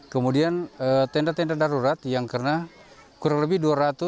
kemudian tenda tenda darurat yang kena kurang lebih dua ratus